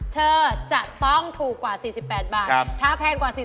เธอจะต้องทูลกว่า๔๘บาท